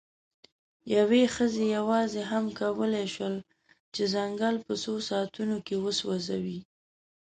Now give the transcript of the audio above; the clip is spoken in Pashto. یوې ښځې یواځې هم کولی شول، چې ځنګل په څو ساعتونو کې وسوځوي.